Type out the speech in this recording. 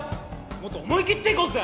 もっと思い切っていこうぜ！